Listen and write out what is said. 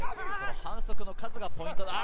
反則の数がポイント。